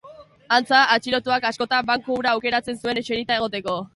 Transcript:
Antza, atxilotuak askotan banku hura aukeratzen zuen eserita egoteko.